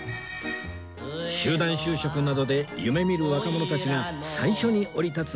集団就職などで夢見る若者たちが最初に降り立つ